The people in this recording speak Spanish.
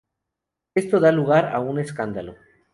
Esto da lugar a un escándalo.